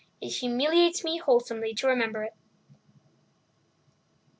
It humiliates me wholesomely to remember it!"